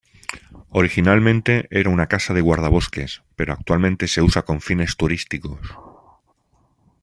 Originalmente era una casa de guardabosques, pero actualmente se usa con fines turísticos.